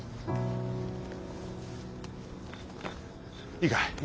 いいかい？